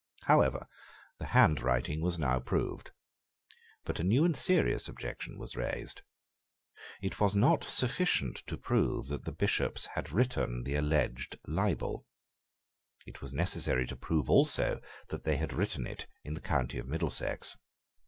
However, the handwriting was now proved. But a new and serious objection was raised. It was not sufficient to prove that the Bishops had written the alleged libel. It was necessary to prove also that they had written it in the county of Middlesex.